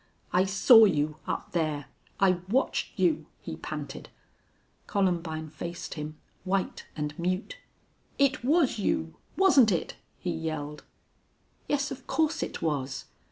"I saw you up there. I watched you," he panted. Columbine faced him, white and mute. "It was you wasn't it?" he yelled. "Yes, of course it was."